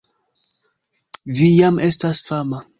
Vi jam estas fama